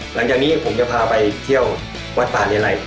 หลังจากนี้ผมจะพาไปเที่ยววัดป่าเลไล